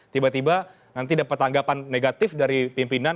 tiba tiba nanti dapat tanggapan negatif dari pimpinan